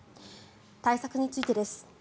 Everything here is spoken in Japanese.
対策についてです。